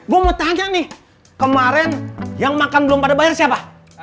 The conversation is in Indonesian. gue mau tanya nih kemarin yang makan belum pada bayar siapa